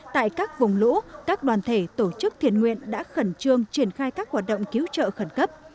tại các vùng lũ các đoàn thể tổ chức thiền nguyện đã khẩn trương triển khai các hoạt động cứu trợ khẩn cấp